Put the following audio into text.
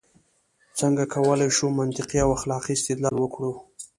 څنګه کولای شو منطقي او اخلاقي استدلال وکړو؟